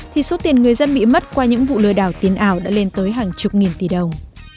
thì số tiền người dân bị mất qua những vụ lừa đảo tiền ảo đã lên tới hàng chục nghìn tỷ đồng